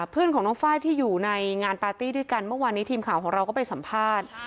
เพื่อนของน้องไฟล์ที่อยู่ในงานปาร์ตี้ด้วยกันเมื่อวานนี้ทีมข่าวของเราก็ไปสัมภาษณ์